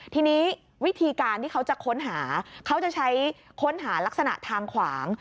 ทีนี้วิธีการที่เขาจะค้นหาเขาจะใช้ค้นหาลักษณะทางขวาง